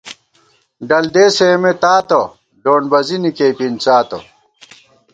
ڈل دېسے اېمے تاتہ ، ڈونڈبَزِنی کېئی پِنڅاتہ